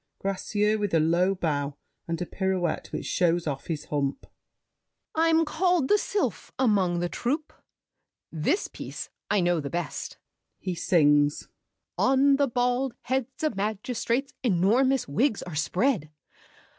GRACIEUX (with a low bow and a pirouette which shows off his hump). I'm called the Sylph Among the troupe. This piece I know the best. [He sings. "On the bald heads of magistrates, Enormous wigs are spread.